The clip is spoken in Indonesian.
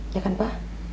ya kan pa